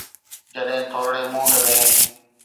جڏهن ٿورڙي موڊ ۾.